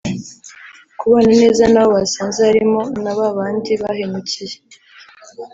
kubana neza n’abo basanze harimo na babandi bahemukiye